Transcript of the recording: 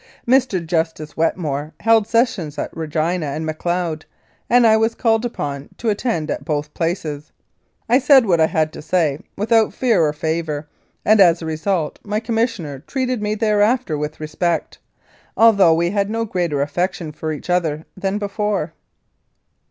Mr. Justice Wetmore held sessions at Regina and Macleod, and I was called upon to attend at both places. I said what I had to say without fear or favour, and as a result my Commissioner treated me thereafter with respect, although we had no greater affection for each other than before.